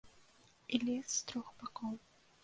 І лес з трох бакоў.